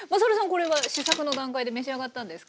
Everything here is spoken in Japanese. これは試作の段階で召し上がったんですか？